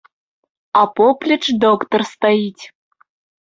А поплеч доктар стаіць.